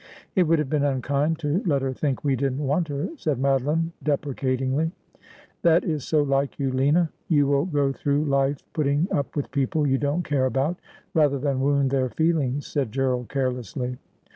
' It would have been unkind to let her think we didn't want her,' said Madoline deprecatingly. ' That is so like you, Lina ; you will go through life putting up with people you don't care about, rather than wound their feelings,' said Gerald carelessly.